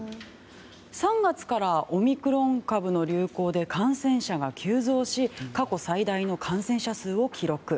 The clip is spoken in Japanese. ３月からオミクロン株の流行で感染者が急増し過去最大の感染者数を記録。